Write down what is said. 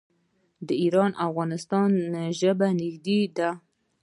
د ایران او افغانستان ژبه نږدې ده.